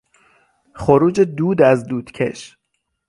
خروج دود از دودکش